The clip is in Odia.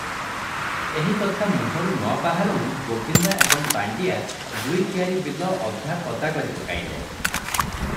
ଏହି କଥା ମୁହଁରୁ ନବାହାରୁଣୁ ଗୋବିନ୍ଦା ଏବଂ ପାଣ୍ଡିଆ ଦୁଇ କିଆରୀ ବିଲ ଅଧା ପଦା କରିପକାଇଲେ ।